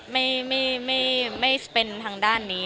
ไม่เป็นทางด้านนี้